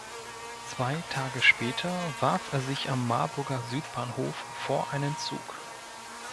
Zwei Tage später warf er sich am Marburger Südbahnhof vor einen Zug.